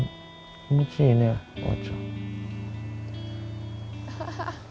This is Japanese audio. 気持ちいいねあーちゃん。